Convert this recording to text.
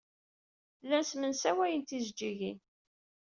Llan ssemsawayen tijejjigin.